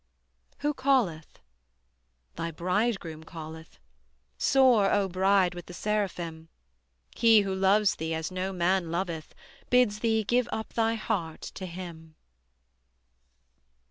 Who calleth? Thy Bridegroom calleth, Soar, O Bride, with the Seraphim: He Who loves thee as no man loveth, Bids thee give up thy heart to Him.